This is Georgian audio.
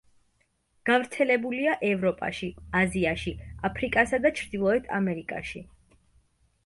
გავრცელებულია ევროპაში, აზიაში, აფრიკასა და ჩრდილოეთ ამერიკაში.